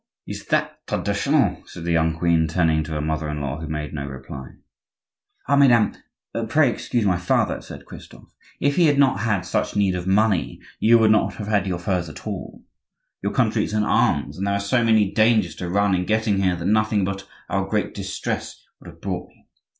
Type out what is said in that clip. "Is that traditional?" said the young queen, turning to her mother in law, who made no reply. "Ah, mesdames, pray excuse my father," said Christophe. "If he had not had such need of money you would not have had your furs at all. The country is in arms, and there are so many dangers to run in getting here that nothing but our great distress would have brought me.